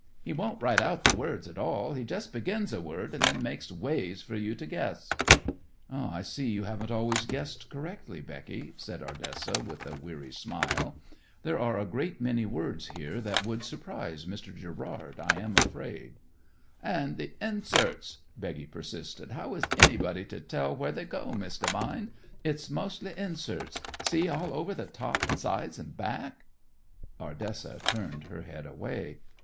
"He don't write out the words at all. He just begins a word, and then makes waves for you to guess." "I see you haven't always guessed correctly, Becky," said Ardessa, with a weary smile. "There are a great many words here that would surprise Mr. Gerrard, I am afraid." "And the inserts," Becky persisted. "How is anybody to tell where they go, Miss Devine? It's mostly inserts; see, all over the top and sides and back." Ardessa turned her head away.